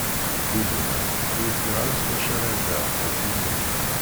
Ggugmeɣ, ur ufiɣ ara s wacu ara rreɣ ɣef yiman-iw.